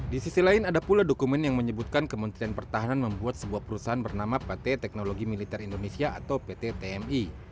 di sisi lain ada pula dokumen yang menyebutkan kementerian pertahanan membuat sebuah perusahaan bernama pt teknologi militer indonesia atau pt tmi